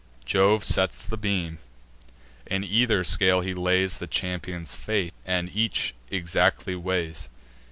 Jove sets the beam; in either scale he lays The champions' fate, and each exactly weighs.